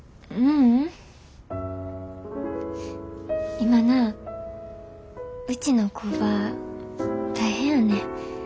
今なうちの工場大変やねん。